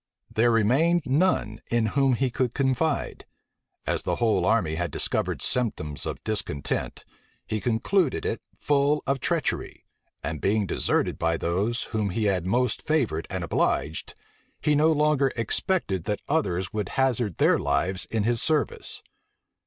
There remained none in whom he could confide. As the whole army had discovered symptoms of discontent, he concluded it full of treachery; and being deserted by those whom he had most favored and obliged, he no longer expected that others would hazard their lives in his service.